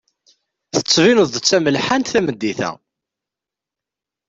Tettbineḍ-d d tamelḥant tameddit-a.